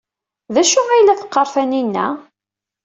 D acu ay la teqqar Tanina?